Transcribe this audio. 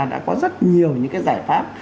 đã có rất nhiều những cái giải pháp